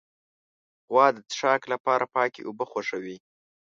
غوا د څښاک لپاره پاکې اوبه خوښوي.